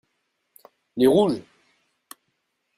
Les rouges.